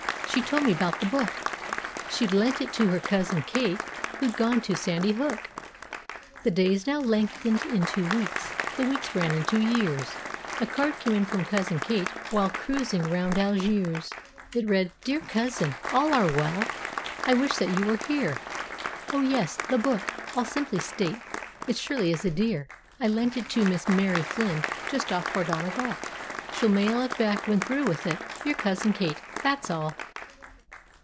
She told me 'bout the book. She'd lent it to her cousin Kate who'd gone to Sandy Hook. The days now lengthened into weeks—the weeks ran into years— A card came in from Cousin Kate while "cruising 'round Algiers"— It read: "Dear Cousin, All are well. I wish that you were here. Oh, yes, the book, I'll simply state, it surely is a dear. I lent it to Miss Mary Flynn, just off for Donegal— She'll mail it back when through with it. Your Cousin Kate—that's all."